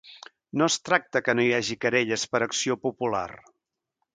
No es tracta que no hi hagi querelles per acció popular.